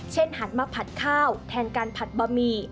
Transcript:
หันมาผัดข้าวแทนการผัดบะหมี่